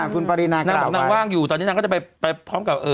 คุณปรินานางบอกนางว่างอยู่ตอนนี้นางก็จะไปพร้อมกับ